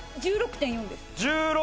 １６．４です。